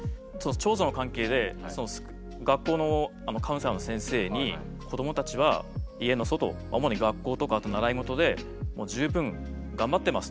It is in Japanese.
長女の関係で学校のカウンセラーの先生に「子どもたちは家の外主に学校とか習い事でもう十分頑張ってます」と。